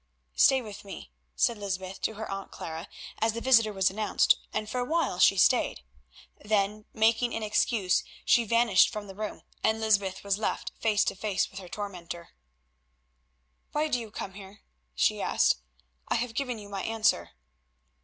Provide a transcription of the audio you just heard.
"Stay with me," said Lysbeth to her Aunt Clara as the visitor was announced, and for a while she stayed. Then, making an excuse, she vanished from the room, and Lysbeth was left face to face with her tormentor. "Why do you come here?" she asked; "I have given you my answer."